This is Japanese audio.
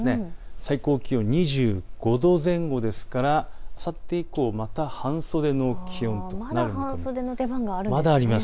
最高気温２５度前後ですからあさって以降、また半袖の気温となります。